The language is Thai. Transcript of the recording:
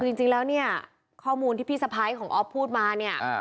จริงแล้วเนี่ยข้อมูลที่พี่สะพ้ายของอ๊อฟพูดมาเนี่ย